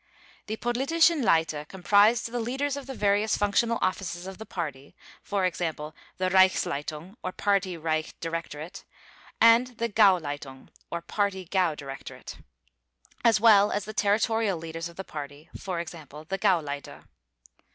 The Politischen Leiter comprised the leaders of the various functional offices of the Party (for example, the Reichsleitung, or Party Reich Directorate, and the Gauleitung, or Party Gau Directorate), as well as the territorial leaders of the Party (for example, the Gauleiter).